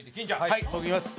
はい僕いきます。